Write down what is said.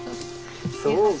そうかあ。